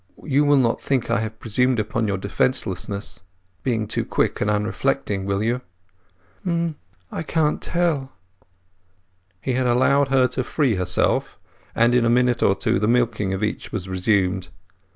You will not think I have presumed upon your defencelessness—been too quick and unreflecting, will you?" "N'—I can't tell." He had allowed her to free herself; and in a minute or two the milking of each was resumed.